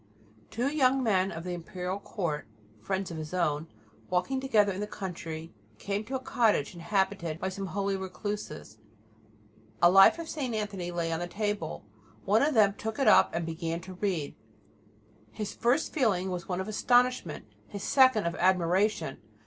Two young men of the Imperial Court, friends of his own, walking together in the country, came to a cottage inhabited by some holy recluses. A life of St. Anthony lay on the table. One of them took it up and began to read. His first feeling was one of astonishment, his second of admiration.